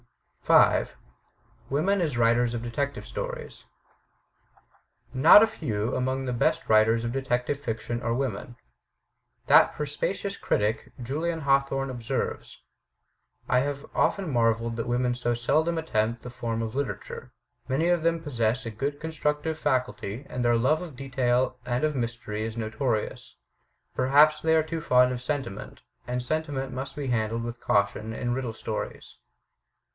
5. Women as Writers of Detective Stories Not a few among the best writers of detective fiction are women. That perspicacious critic, Julian Hawthorne, observes: *'I have often marveled that women so seldom attempt this form of literature; many of them possess a good con structive faculty, and their love of detail and of mystery is notorious. Perhaps they are too fond of sentiment; and sentiment must be handled with caution in riddle stories."